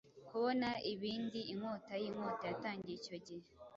Kubona Ibindi Inkota yinkota yatangiye icyo gihe